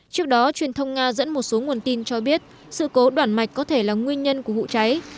trước đó truyền thông nga dẫn một số nguồn tin cho biết sự cố đoạn mạch có thể là nguyên nhân của vụ cháy